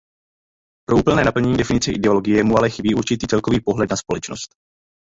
Pro úplné naplnění definice ideologie mu ale chybí určitý celkový pohled na společnost.